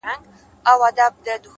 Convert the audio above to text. ریښتینی ځواک په ثبات کې څرګندیږي؛